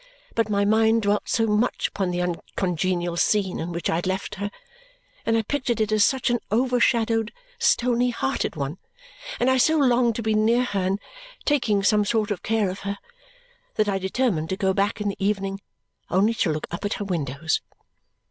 But my mind dwelt so much upon the uncongenial scene in which I had left her, and I pictured it as such an overshadowed stony hearted one, and I so longed to be near her and taking some sort of care of her, that I determined to go back in the evening only to look up at her windows.